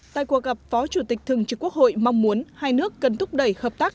tại cuộc gặp phó chủ tịch thường trực quốc hội mong muốn hai nước cần thúc đẩy hợp tác